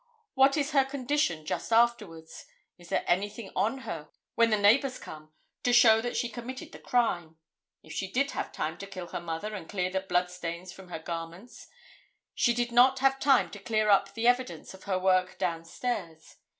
What is her condition just afterwards? Is there anything on her when the neighbors come to show that she committed the crime? If she did have time to kill her mother and clear the blood stains from her garments, she did not have time to clear up the evidence of her work down stairs.